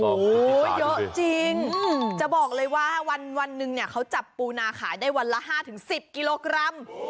โอ้โหเยอะจริงจะบอกเลยว่าวันหนึ่งเนี่ยเขาจับปูนาขายได้วันละ๕๑๐กิโลกรัม